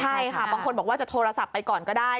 ใช่ค่ะบางคนบอกว่าจะโทรศัพท์ไปก่อนก็ได้